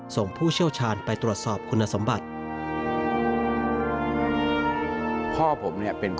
ผู้เชี่ยวชาญไปตรวจสอบคุณสมบัติ